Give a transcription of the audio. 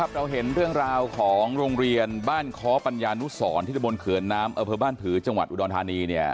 เราเห็นเรื่องราวของโรงเรียนบ้านค้อปัญญานุสรที่ตะบนเขื่อนน้ำอเภอบ้านผือจังหวัดอุดรธานี